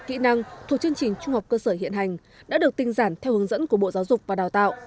kỹ năng thuộc chương trình trung học cơ sở hiện hành đã được tinh giản theo hướng dẫn của bộ giáo dục và đào tạo